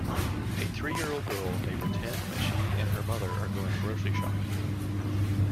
A three-year-old girl may pretend that she and her mother are going grocery shopping.